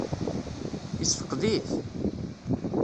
Yessefqed-it?